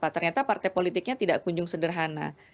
ternyata partai politiknya tidak kunjung sederhana